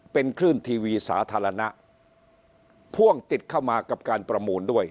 เป็นคลื่นทีวีสาธารณะพ่วงติดเข้ามากับการประมูลด้วย